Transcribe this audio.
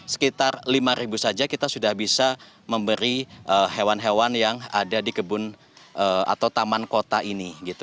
sekitar lima saja kita sudah bisa memberi hewan hewan yang ada di kebun atau taman kota ini